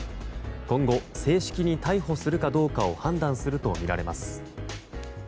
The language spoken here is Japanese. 今後、正式に逮捕するかどうかを判断するとみられます。